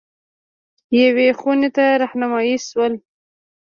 یوې خونې ته رهنمايي شول.